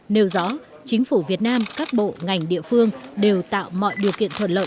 nêu rõ chính phủ việt nam các bộ ngành địa phương đều tạo mọi điều kiện thuận lợi